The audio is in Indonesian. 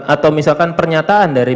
atau misalkan pernyataan dari